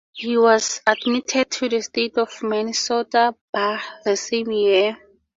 He was admitted to the State of Minnesota bar the same year.